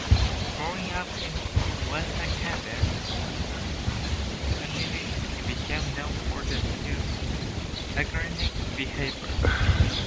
Growing up in western Canada, Emily became known for her eccentric behavior.